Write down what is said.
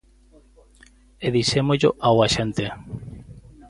E dixémosllo ao axente.